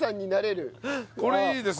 これいいですね